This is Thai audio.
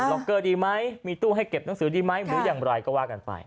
ล็อกเกอร์ดีไหมมีตู้ให้เก็บหนังสือดีไหมหรืออย่างไรก็ว่ากันไป